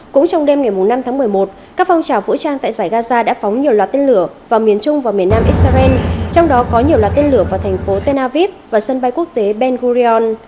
cũng trong đêm ngày năm tháng một mươi một các phong trào vũ trang tại giải gaza đã phóng nhiều loạt tên lửa vào miền trung và miền nam israel trong đó có nhiều loạt tên lửa vào thành phố tenavib và sân bay quốc tế ben gurion